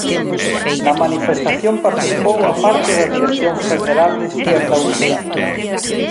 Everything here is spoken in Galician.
Na manifestación participou boa parte da dirección federal de Izquierda Unida.